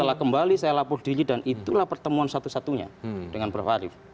setelah kembali saya lapor diri dan itulah pertemuan satu satunya dengan prof arief